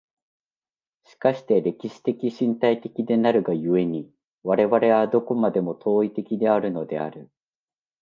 しかして歴史的身体的なるが故に、我々はどこまでも当為的であるのである。